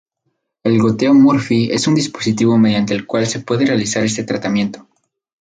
El goteo Murphy es un dispositivo mediante el cual se puede realizar este tratamiento.